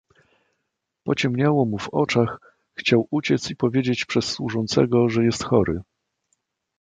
"Pociemniało mu w oczach, chciał uciec i powiedzieć przez służącego, że jest chory."